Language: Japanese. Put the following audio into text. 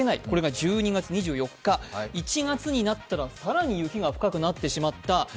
これが１２月２４日、１月になったら、更に雪が深くなってしまった。